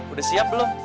udah siap belum